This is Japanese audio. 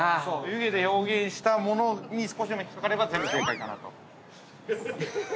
◆湯気で表現したものに少しでも引っ掛かれば全部、正解かなと。